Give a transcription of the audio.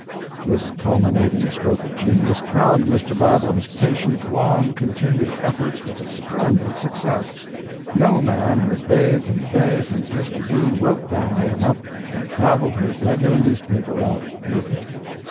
This culminating stroke of genius crowned Mr. Badlam's patient, long continued efforts with a splendid success—no man has bathed in the Bay since Mr. B. wrote that item up and travelled his regular newspaper route with it.